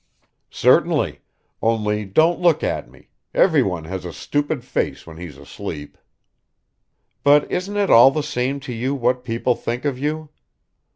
"Certainly. Only don't look at me; everyone has a stupid face when he's asleep." "But isn't it all the same to you what people think of you?"